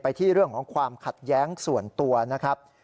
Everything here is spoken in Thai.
ที่เรื่องของความขัดแย้งส่วนตัวนะครับ